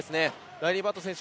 ライリー・バット選手